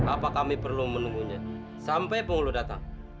apa kami perlu menunggunya sampai penghulu datang